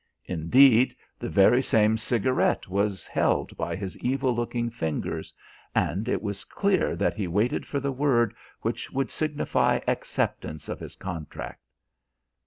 Indeed, the very same cigarette was held by his evil looking fingers, and it was clear that he waited for the word which would signify acceptance of his contract.